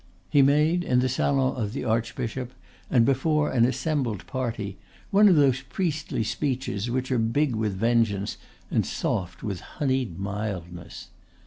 He made in the salon of the archbishop, and before an assembled party, one of those priestly speeches which are big with vengeance and soft with honied mildness.